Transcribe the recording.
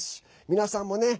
皆さんもね。